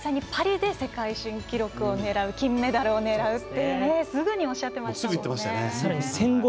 実際にパリで世界記録を狙う金メダルを狙うってすぐおっしゃってましたね。